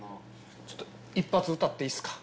ちょっと一発歌っていいっすか？